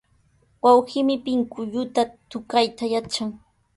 Wawqiimi pinkulluta tukayta yatran.